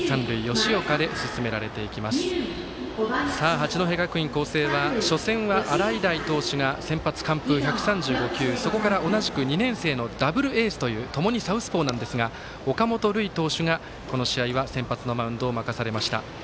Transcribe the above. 八戸学院光星は初戦は洗平投手が先発、完封１３５球、そこから同じく２年生のダブルエースというともにサウスポーなんですが岡本琉奨投手がこの試合は先発のマウンドを任されました。